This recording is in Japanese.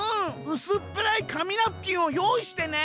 うすっぺらいかみナプキンをよういしてね』